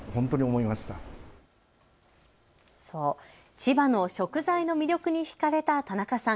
千葉の食材の魅力にひかれた田中さん。